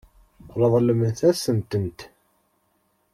Ṛeḍlemt-asen-tent.